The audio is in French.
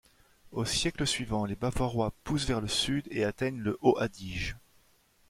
Au siècle suivant, les Bavarois poussent vers le sud et atteignent le Haut-Adige.